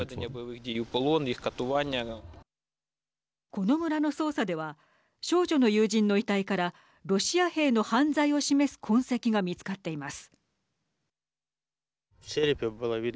この村の捜査では少女の友人の遺体からロシア兵の犯罪を示す痕跡が見つかっています。